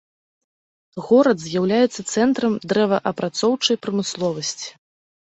Горад з'яўляецца цэнтрам дрэваапрацоўчай прамысловасці.